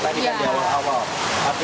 tadi kan di awal awal